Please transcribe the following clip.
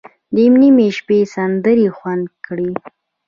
د نیمې شپې سندرې خوند کړي.